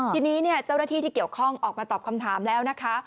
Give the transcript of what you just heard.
ทีนี้เจ้าหน้าที่ที่เกี่ยวข้องออกมาตอบคำถามแล้วนะคะ